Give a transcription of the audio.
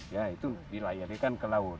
ya itu dilayarikan ke laut